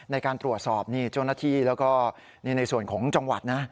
ในการตรวจสอบนี่เจ้าหน้าที่แล้วก็นี่ในส่วนของจังหวัดนะ